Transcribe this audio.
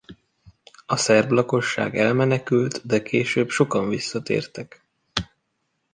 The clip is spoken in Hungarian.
A szerb lakosság elmenekült de később sokan visszatértek.